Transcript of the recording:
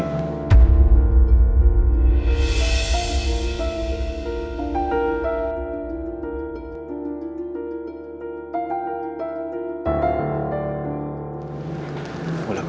terdampak di dalam hatiku